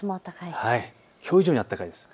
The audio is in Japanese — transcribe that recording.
きょう以上に暖かいです。